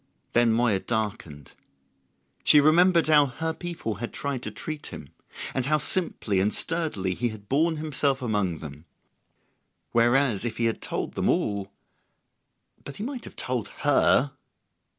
Then Moya darkened. She remembered how her people had tried to treat him, and how simply and sturdily he had borne himself among them. Whereas, if he had told them all ... but he might have told her!